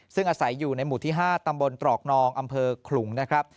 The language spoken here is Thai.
ซึ่งอาศัยอยู่ในหมู่ที่๕ตำบลตรอกนองอำเภอขลุงนะครับ